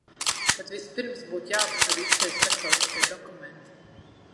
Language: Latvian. Bet vispirms būtu jāapsver visi šie starptautiskie dokumenti.